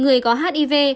người có hiv